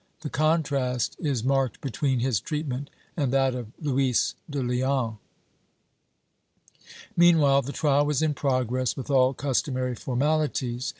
The contrast is marked between his treat ment and that of Luis de Leon. Meanwhile the trial was in progress with all customary formalities.